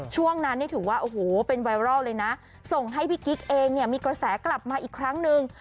ช่วงนั้นถือว่าเป็นไวรัลเลยนะส่งให้พี่กิ๊กเองมีกระแสกลับมาอีกครั้งหนึ่ง